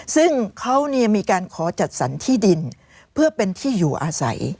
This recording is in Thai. ซึ่งเขามีการขอจัดสรรที่ดินเพื่อเป็นที่อยู่อาศัย